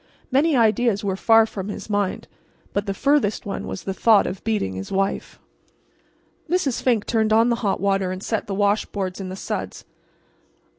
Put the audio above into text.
Many ideas were far from his mind; but the furthest one was the thought of beating his wife. Mrs. Fink turned on the hot water and set the washboards in the suds.